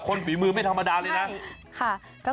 ฝีมือไม่ธรรมดาเลยนะ